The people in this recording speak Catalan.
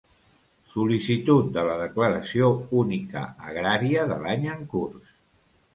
Sol·licitud de la Declaració única agrària de l'any en curs.